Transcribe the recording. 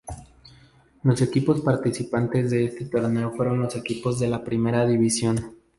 Los equipos participantes de este torneo fueron los equipos de la primera división.